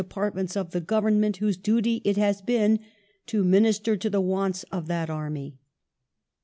^^^'^^o partments of the Government whose duty it has been to minister fail of the to the wants of that army